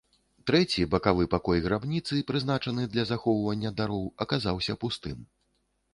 Трэці, бакавы пакой грабніцы, прызначаны для захоўвання дароў аказаўся пустым.